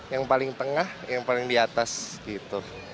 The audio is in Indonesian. yang paling tengah yang paling di atas gitu